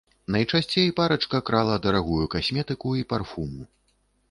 Найчасцей парачка крала дарагую касметыку і парфуму.